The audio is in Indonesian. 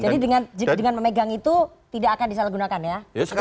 jadi dengan memegang itu tidak akan disalahgunakan ya